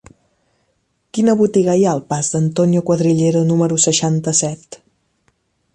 Quina botiga hi ha al pas d'Antonio Cuadrillero número seixanta-set?